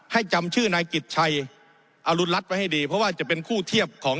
จำชื่อนายกิจชัยอรุณรัฐไว้ให้ดีเพราะว่าจะเป็นคู่เทียบของ